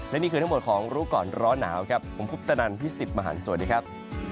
และนี่คือทั้งหมดของรู้ก่อนร้อนหนาวครับผมคุปตนันพี่สิทธิ์มหันฯสวัสดีครับ